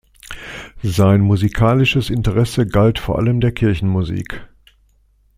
Sein musikalisches Interesse galt vor allem der Kirchenmusik.